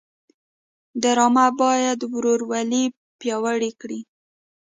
ډرامه باید ورورولي پیاوړې کړي